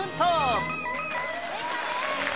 正解です！